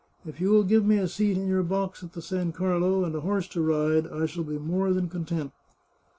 If yoU will give me a seat in yoUr box at the San Carlo, ahd a horse to rid6, I shall be more than content.